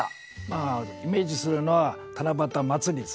イメージするのは七夕まつりですね。